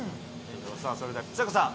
それではちさ子さん